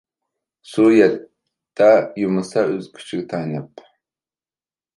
سۇ يەتتە يۇمىلىسا ئۆز كۈچىگە تايىنىپ.